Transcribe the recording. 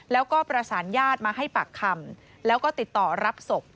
แล้วก็ประสานญาติมาให้ปากคำแล้วก็ติดต่อรับศพ